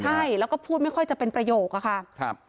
ใช่แล้วก็พูดไม่ค่อยจะเป็นประโยคอะค่ะ